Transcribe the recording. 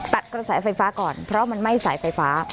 ตัดกระแสไฟฟ้าก่อนเพราะมันไหม้สายไฟฟ้า